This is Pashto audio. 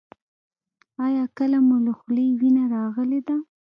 ایا کله مو له خولې وینه راغلې ده؟